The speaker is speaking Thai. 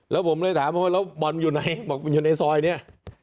แล้วผมเลยถามว่าบอลมันอยู่ไหนบอกว่าอยู่ในซอยเนี่ย